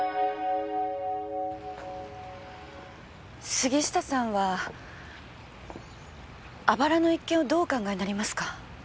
杉下さんは肋の一件どうお考えになりますか？